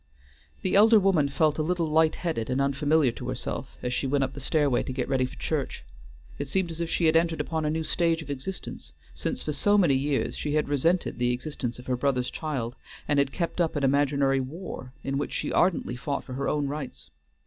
The elder woman felt a little light headed and unfamiliar to herself as she went up the stairway to get ready for church. It seemed as if she had entered upon a new stage of existence, since for so many years she had resented the existence of her brother's child, and had kept up an imaginary war, in which she ardently fought for her own rights.